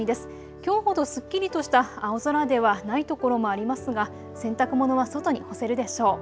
きょうほどすっきりとした青空ではないところもありますが洗濯物は外に干せるでしょう。